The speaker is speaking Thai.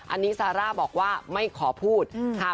อันนี้ซาร่าบอกว่าไม่ขอพูดค่ะ